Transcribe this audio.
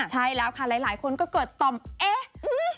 ใช่แล้วค่ะหลายคนก็เกิดต่อมเอ๊ะ